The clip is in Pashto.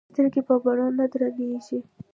سترګې په بڼو نه درنې ايږي